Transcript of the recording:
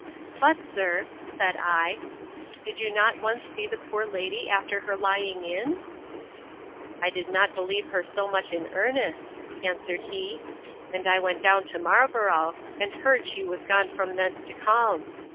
—But, sir, said I, did you not once see the poor lady after her lying in? I did not believe her so much in earnest, answered he; and I went down to Marlborough, and heard she was gone from thence to Calne.